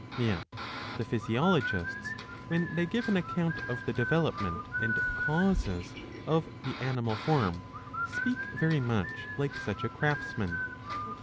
Yet the physiologists, when they give an account of the development and causes of the animal form, speak very much like such a craftsman.